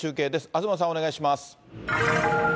東さんお願いします。